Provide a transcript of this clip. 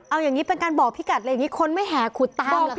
เอายังงี้เป็นการบอกพี่กัดคนนี่คนไม่แห่ขุดตามหรือคะ